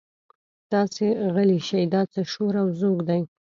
تاسې غلي شئ دا څه شور او ځوږ دی.